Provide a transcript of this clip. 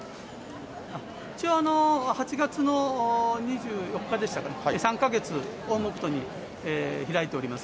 一応、８月の２４日でしたかね、３か月を目途に開いております。